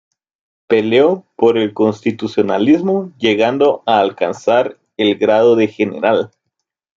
Peleó por el constitucionalismo, llegando a alcanzar el grado de general.